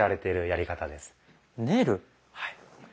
はい。